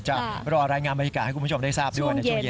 จะรอรายงานบริการให้คุณผู้ชมได้ทราบด้วย